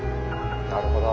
なるほど。